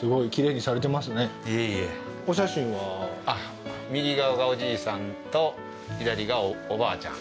いえいえ右側がおじいさんと左がおばあちゃん